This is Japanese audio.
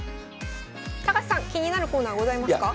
高橋さん気になるコーナーございますか？